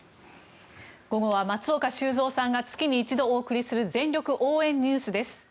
午後は松岡修造さんが月に一度お送りする全力応援ＮＥＷＳです。